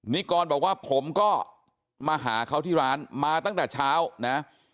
นิกรบอกว่าผมก็มาหาเขาที่ร้านมาตั้งแต่เช้านะ